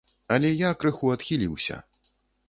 Але я крыху адхіліўся.